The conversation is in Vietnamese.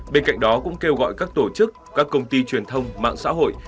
bên cạnh đó cũng kêu gọi các tổ chức các công ty truyền thông mạng xã hội